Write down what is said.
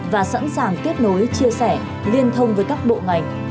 và sẵn sàng kết nối chia sẻ liên thông với các bộ ngành